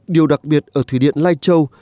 điều đặc biệt ở thủy điện lai châu